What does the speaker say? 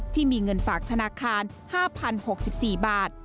ที่มีเงินฝากธนาคาร๕๐๖๔บาท